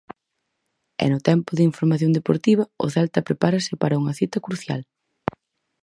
E no tempo da información deportiva, o Celta prepárase para unha cita crucial...